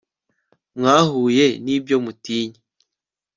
mwahuye n ibyo mutinya l